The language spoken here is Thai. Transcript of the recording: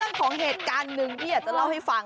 เรื่องของเหตุการณ์หนึ่งที่อยากจะเล่าให้ฟัง